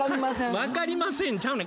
「分かりません」ちゃうねん。